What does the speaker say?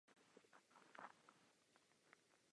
Začíná to praktickými problémy.